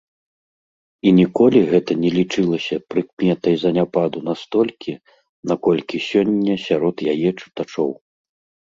І ніколі гэта не лічылася прыкметай заняпаду настолькі, наколькі сёння сярод яе чытачоў.